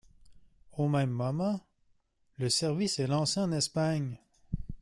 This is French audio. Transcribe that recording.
Au même moment, le service est lancé en Espagne.